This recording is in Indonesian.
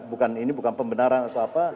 bukan ini bukan pembenaran atau apa